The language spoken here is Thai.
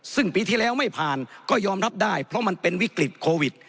ซึ่งปีที่แล้วไม่ผ่านก็ยอมรับได้เพราะมันเป็นวิกฤตโควิด